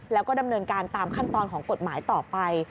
แล้วก็ดำเนินการตามขั้นตอนของกฎหมายต่อไป